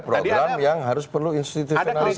program yang harus perlu institusionalisasi